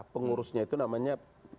pengurusnya itu namanya pemerintah